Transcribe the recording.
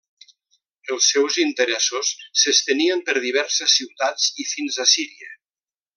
Els seus interessos s'estenien per diverses ciutats i fins a Síria.